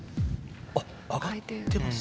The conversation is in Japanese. あ上がってます。